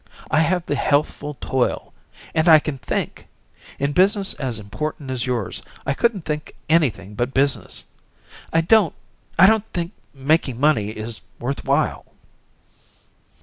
I have the healthful toil and I can think. In business as important as yours I couldn't think anything but business. I don't I don't think making money is worth while."